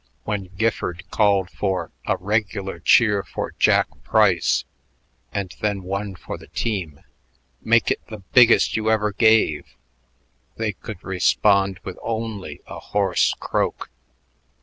When Gifford called for "a regular cheer for Jack Price" and then one for the team "Make it the biggest you ever gave" they could respond with only a hoarse croak.